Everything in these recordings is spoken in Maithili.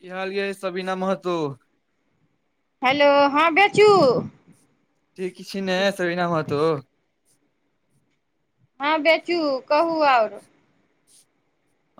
की हाल य सबीना महतो हेलो हॅं बचू ठीक छी न सबीना महतो तऽ हँ बेचू कहू आओर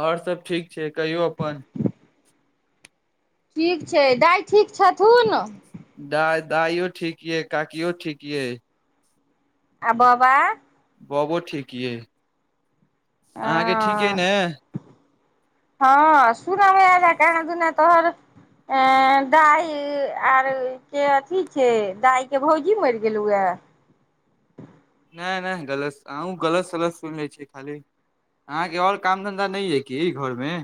आओर सब ठीक से कहियौ अपन ठीक छै दाइ ठीक छथुन दइ दइो ठीक य काकियो ठीक य आ बाबा बाबा ठीक यए अहाँके ठीके ने हँ सुन आय कहाँ दुना तोहर ए दाइ आर के अथी छै दाइके भौजी मरि गेलहुए नहि नहि गलत अहूँ गलत सलत सुनि लै छी खाली अहाँके आओर काम धन्धा नहि यइ किी घरमे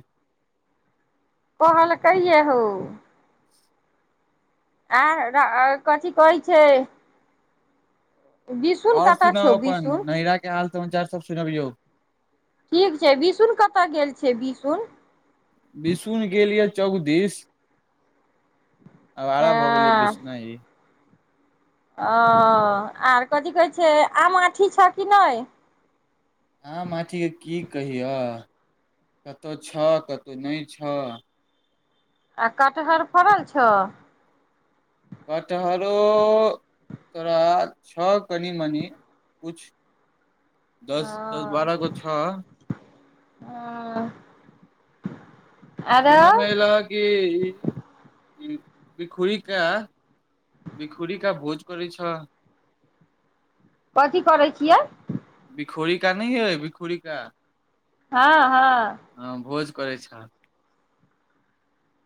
कहल काए या हो आ कथी कहई छै बिसुन और कतऽ सुनब छौ अपन बिसुन नैरा के हाल समाचार सब सुनबियौ ठीक छै बिसुन कतय गेल छ बिसुन बिसुन गेल यऽ चौक दिस आब आरभ हो गेलै बिछना ही ओ आर कथी कहै छै। आमठी छह कि नहि आम माटी के की कहियह कतहु छहौ कतहु नहि छहौ आ कटहर फड़ल छौ। कटहरो तोरा छह कनि मनि किुछ दस दस बारह को छ। ह सुुना म लागी ई भखुर का भखुर का भोज करै छ, कथी करै छियै। भिखोरी का न है भिखोरी का हँ हँ करै छ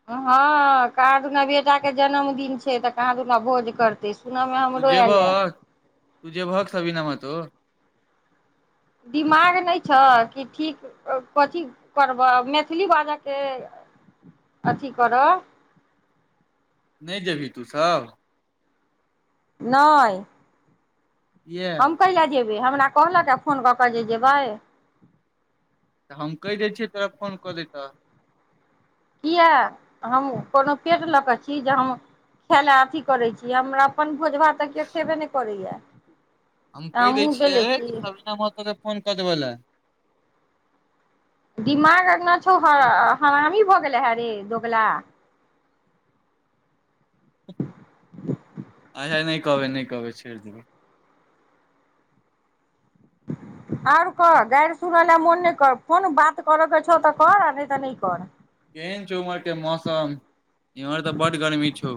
हँ कहाँ दना बेटाके जन्मदिन छै, तऽ कहाँ दुना भोज करतै त सुनामे हम तू हमरो आ ल जेबह [unintelligible] दिमाग नहि छह कि ठीक कथी करबह मैथिली बाजयके अथी करह नहि जेबिही तूसभ नैय इएह हम कयिला जैब हमरा कहलक फोन कऽ कऽ जेबै तऽ हम कहि दै छियै तोरा फोन कऽ देतऽ किया हम कोनो पेट लऽ कऽ छी, जे हम खाय ल अथी करैत छी, हमरा अपन भोज भा तऽ केओ खेबे नहि करैया हम कहि दै छियै, सविता महतो के फोन क देबेला दिमागना छौ, हरामी भऽ गेले हे रे दोगला अच्छा नहि कहबै नहि कहबै छोड़ि देबै आर कह गारि सुनऽ ल मोन नहि कर कोोन बात करयके छौ, तऽ कर नहि तऽ नहि कर केहन छौ, उम्हरके मौसम एम्हर तऽ बड्ड गर्मी छौ।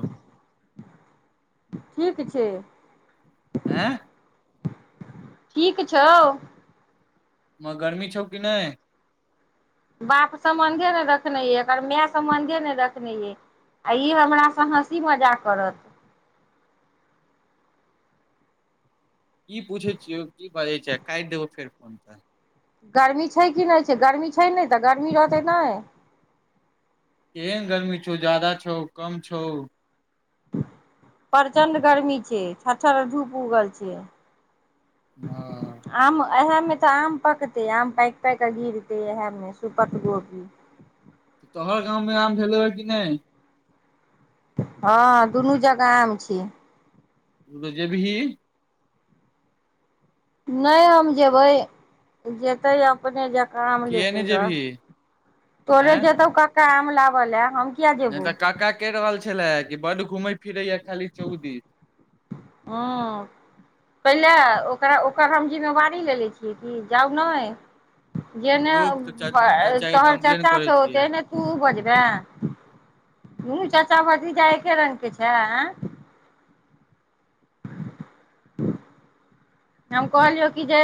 ठीक छै, आँ ठीक छौ। म गरमी छौ, किी नहि बाप सम्बन्धे नहि रखने अइ एकर माय सम्बन्धे नहि रखने अइै आ ई हमरासँ हँसी मजा करत की पूछै छियौ की बाजै छै। काटि देब फेर फोन तऽ गर्मी छै कि नहि छै, गर्मी छै, नहि तऽ गर्मी रहतै नहि। केहन गर्मी छौ, जादा छौ, कम छौ, प्रचण्ड गर्मी छै, छतछर धूप उगल छै। ह इह मे तऽ आम पकते आम पक पाक क गिरते इह मे सुपक गोभी तोहर गाँवमे आम भेलौ हे कि नहि हँ दुनू जगह आम छी तऽ जेे भी ही नहि हम जेबै जेतै अपने ज काम किए लेतै नहि घर जेबही तोरे एँ जेतौ क काम लागल है नहि तऽ काका के रहल छै बड्ड घुमै फिरैय खाली चौक दिस ह्म पहिले ओकरा ओकर हम जिम्मेवारी लेने छियै कि जाउ ने जेने रुक तऽ चा चाचा के तोहर कम्प्लेन चचा करै छौ छियै तेने तू बजबां तु चाचा चचा भतीजा एके रंगग के छै हम कहलियौ कि जे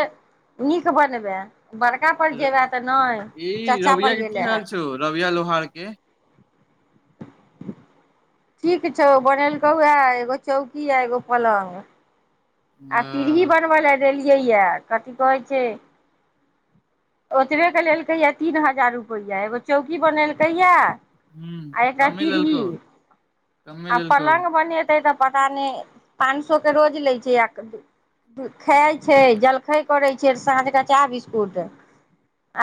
नीक बनबै बड़का पर जेबे तऽ नहि ई रविया चाचा पर लोहार के की गेले हाल हे छौ रविया लोहारके ठीक छौ बनेलकौ ह एगो चौकी य एगो पलङ्ग आ पीर ही हँ बनव ला दलियै यए कथी कहै छै ओतबे के लेलकै यए तीन हजार रुपैआ एगो चौकी बनेलकै यए हूँ आ एकरा कमे पीरही लेलकौ कमे आ लेलकौ पल्ग बनेते तऽ पता नहि पाँच सए के रोज लै छै आ खाइ छै जलखै करै छै साँझ क चाह बिस्कुट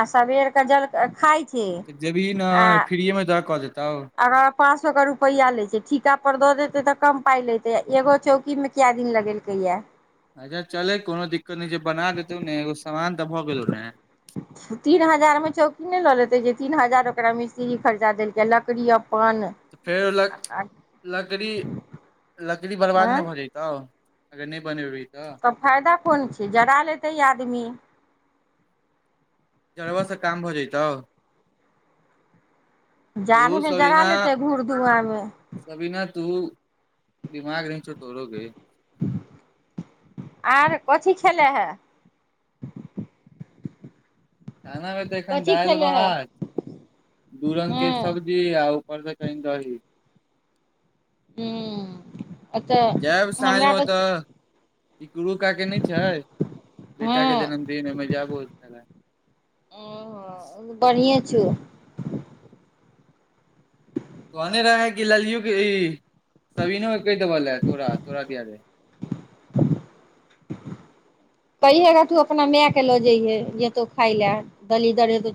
आ सबेरके जल खाइ छै तऽ जबी ने आ फिरियमे जा कहऽ देतौ अगर पाँच सए के रुपैआ ले छै ठीका पर दऽ देते तऽ कम पाई लेते एगो चौकी में क दिन लगेलकै या अच्छा चले कोनो दिक्कत न छै बना देते ने एगो सामान तऽ भऽ गेलौ ने तीन हजार मे चौकी नहि लऽ लेते तीन हजार ओकरा मिस्त्री खर्चा देलकै लकड़ी आ तऽ फेर लक लकड़ी लकड़ी बर्बाद नहि भऽ जतौ अगर नहि बनेबीहीं तब फायदा कोन छै जरा लेतै आदमी जरबा से काम भऽ जैतौ तू जाड़मे जरा सबदिना लेतै घूर धुआँमे सबदिना तू दीमाग नहि छौअ तोरो गेय आर कथी खेलां खाना ह तऽ एखन कथी दालि खेले है भात दू रंग के हँ सब्जी आ उपर सँ कनि दही- हू अ तऽ हमरा तऽ क गुरु क के नहि छै, बेटााक हँ के जन्मदिन ओहिमे जाब छलै। चू कह आने रह है क लाल यू क सवी न क बल है, तोरा तोरा दआ दे कहिहेगा तू अपना माय के लऽ जइये य तो खायइ ले दली दरे तो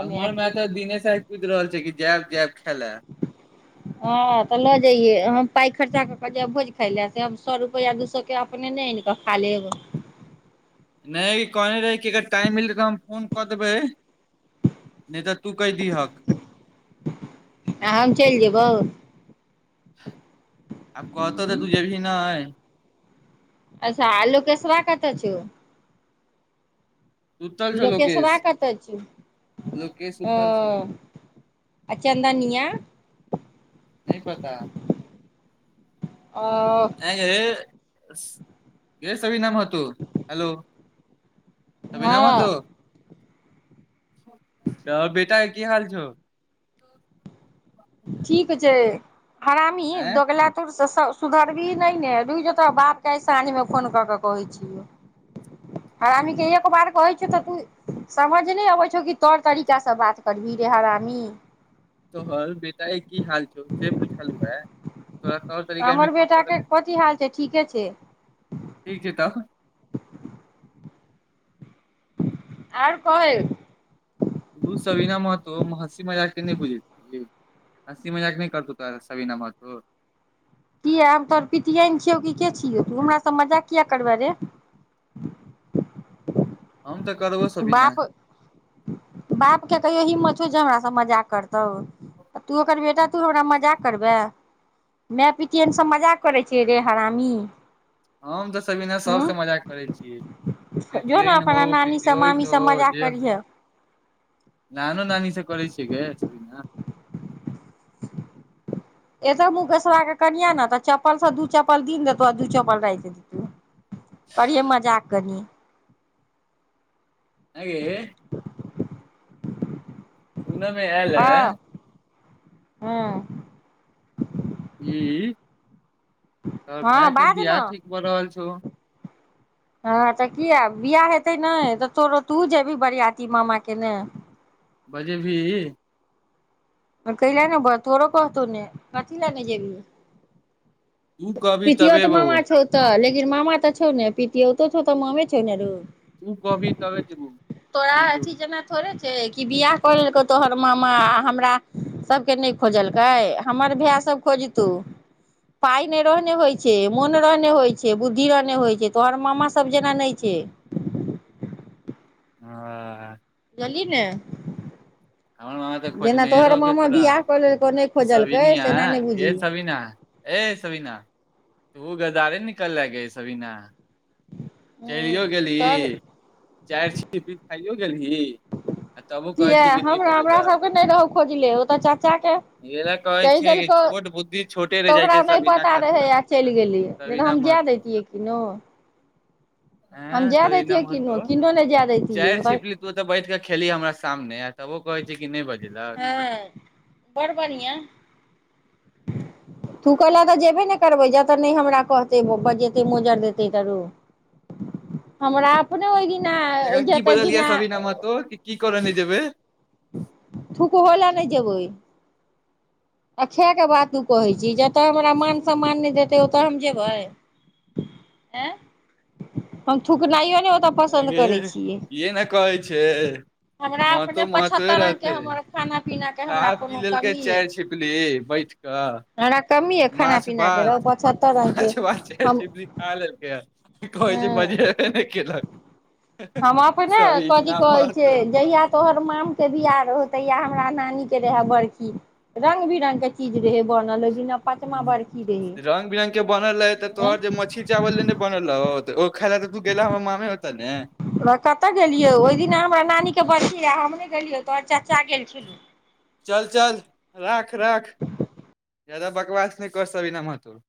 हमर मै तऽ दिने सा कूद रहल छै, कि जा जा हँ तऽ लऽ जइयए हम पाइक खर्चा कऽ कऽ जेब भोज खाय लए से हम सए रुपैआ दू सए के अपने ने आनि कऽ खा लेब नहि कहने रहे कि अगर टाइम मिलै तऽ हम फोन कऽ देबै नहि तऽ तू कहि दिहक आ हम चलि जेबौ ह आब कहतौ तऽ तू जेे भी नहि अच्छा लोकेशवा कतऽ छौ। सुतल छौ लोकेशवा लोकेश कतय छ लोकेश ओ सुतल छौ आ चदनिया नहि पता ओ आ गैरसविनामत हेलो अभीनााम त हँ त बेटा की हाल छौ। ठीक छै। हरामी ऐं दोग्ला त सुधरबही नहि ने रुो तऽ बापके आइ साँझमे फोन कऽ के कहै छियौ हरामीके एक बार कहै छियौ तऽ तू समझ नहि अबै छौ। कि तोर तरीकासँ बात करबही रे हरामी तोहर बेटा के की हाल छौ, से पूछल हए हमर बेटा के कथी हाल छै, ठीके छै। ठीक छै तब आओर कहे सवीना महतो हँसी मजाक के नहि बुझै हँसी मजाक नहि करतौ तो सवीना महतो कि हम तोर पतििय ने छियौ। कि के छियौ। तू हमर सभ मजा कििया करबह रे हम तऽ करबो सबीना बाप बाप के कहियो हिम्मत हमरा सब मजाक करतौ तू ओकर बेटा तू हमरा मजा करबे माय पीतिे ने सब मजा करै छै। रे हरामी हम तऽ सब दिना हूँ सबसँ मजाक करै छियै जो ने पितियन हो अपना नानी पिति सब मामी सब मजा करिहे नानो नानी से करै छियै गे ओहिना एतो मुकेशबा के कनियाँ ने तऽ चप्पल सँ दू चप्पल दिन देतौ आ दू चप्पल राति देतौ करिहे मजाक कनी ऐं गे सुनय मे आयल एय हँ हँ ई तऽ हँ भायके बाज बियाह ने ठीक भऽ रहल छौ हँ तऽ कियै बियाह हेतै ने तऽ तोरो तूहु जेबही बरियाती मामाके ने बजेबहि कैले ने तोड़ो कहतौ ने कथि लैल नहि तू जेबही कहबी पीतिओत तबे मामा बौआ छौ तऽ ले लेकिन मामा तऽ छौ ने पितिओतो छौ तऽ मामे छौ ने रौ तू कहबिहि तभे जयबो नहि जेबौ से कि बियाह कऽ लेलकौ तोहर मामा हमरा सभके नहि खोजलकै हमर भायसभ खोजतहु पाइ नहि रहने होइ छै मोन रहने होइ छै बुद्धि रहने होइ छै तोहर मामासभ जेना नहि छै ह चली ने हमर मामा तऽ जेना खोजनहिये तोहर रहोगे मामा तोरा बियाह कऽ लेलकौ नहि खोजलकै सविनिया सेना नहि बुझही गे सविना ए सविना तूं हु गदारे निकल लें गे सविना चलियओ हूँ तऽ गेलही चारि छीपी खाइयो गेलही आ तबो कहै छी किया कि नहि हमरा हमरा बजेलक सबके नहि रहौ खोजले ओ तऽ चाचा के एहि लेल कहै कहि छियै कि देलको छोट बुद्धि छोटे तऽ रहि जाइ ओकरा छै नहि सबिना पता खातुन रहै आ चलि गेलियै नहि तऽ सबिना हम जाए महतो दैतियै किनो हम ऐं जाए तऽ दैतियै एनामे किनो तूं किनो नहि जाए दैतियै चारि ओ छिपली तू तऽ बैठ के खेलीह हमरा सामने आ तबो कहै छै कि नहि बज हँ बड़ बढ़ियां तू कहलए गऽ जेयबे ने करबै जतय नहि हमरा कहतै बजेतै मोज्जर देतै तऽरौ एखन की बजलहि दिना सबिना महतो कि की करय नै जेबै थुकहोला नहि जेबै अरथै के बात तू कहै छी जतऽ हमरा मान सम्मान नहि देतै ओतऽ हम जेबै ऐं हम थुकनाइयो नै ओतय एं पसन्द गे करय छियै इहे ने कहै छै हमरा महतो अपने महतोए पच्छत्तर रंग रहतै के हमर खाना पीना के खा हमरा पी कोनो लेलकै कमी ये चारि छिपली कि बैठ कऽ हमरा कमी ये खाना माछ पीना के भात रहु पचहत्तर रंग के माछ भात चारि हम छिपली खा लेलकै ह कहै छै हँ बजेबे नहि केलक हम अपने सब ई कथी नाम कहै छै तो जहिया तोहर माम के बियाह तहिया हमरा नानी के रहे बरखी रंग बिरंग के चीज रहे बनल दिना पचमा ह बरखी रहै रंग बिरंगग के बनल रहै तऽ तोहर जे मछली चावल लेने बनल रहौ ओ खाल ल तू ग गेलो हम मामामे [unintelligible] हम कतऽ गेलियै ओहि दिना हमरा नानीके बड़ हम नहि गेलियौ तो चाचा गेलखिन चल चल राख ख राख जदा बकवास नहि कर सना म त [unintelligible]